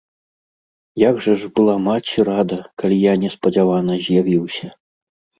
Як жа ж была маці рада, калі я неспадзявана з'явіўся!